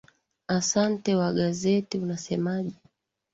asante wagazeti unasemaje